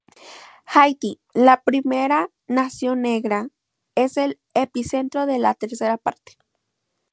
Haití, la primera nación negra, es el epicentro de la tercera parte.